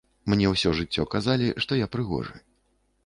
Мне ўсё жыццё казалі, што я прыгожы.